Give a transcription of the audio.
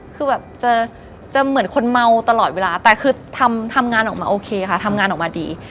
คือแบบจะเหมือนคนเมาตลอดเวลาแต่คือทำงานออกมาโอเคค่ะทำงานออกมาดี